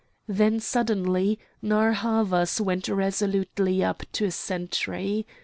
Then suddenly Narr' Havas went resolutely up to a sentry.